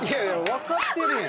分かってるよ。